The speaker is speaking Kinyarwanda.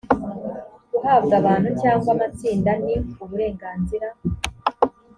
guhabwa abantu cyangwa amatsinda ni uburenganzira